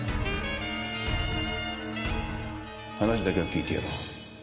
話だけは聞いてやろう。